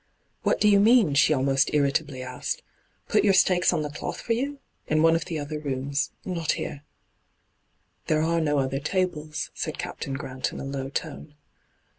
' What do you mean *' she almost irritably hyGoogIc 1 88 ENTRAPPED aaked. ' Put your stakes on the cloth for you? In one of the other rooms. Not here.' ' There are no other tables,' said Captain Grant, in a low tone.